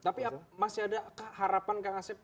tapi masih ada keharapan kak asyid